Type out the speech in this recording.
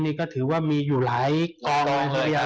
สรุปต่อขึ้นอยู่หลายกองทุน